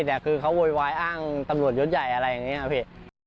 แต่คือเขาโวยวายอ้างตำรวจยศใหญ่อะไรอย่างนี้ครับพี่